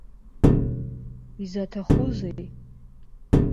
Изаҭахузеи?